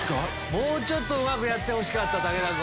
もうちょっとうまくやってほしかった。